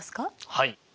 はい。